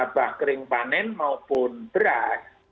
bah kering panen maupun beras